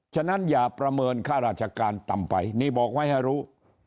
ฉะนั้นอย่าประเมินค่าราชการต่ำไปนี่บอกไว้ให้รู้